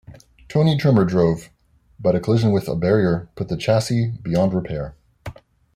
Tony Trimmer drove but a collision with a barrier put the chassis beyond repair.